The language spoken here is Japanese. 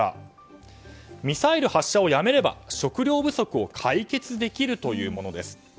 ミサイル発射をやめれば食糧不足を解決できるというものです。